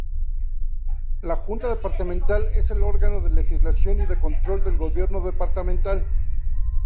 La Junta Departamental es el órgano de legislación y de control del gobierno departamental.